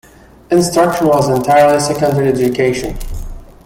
Instruction was entirely secondary education.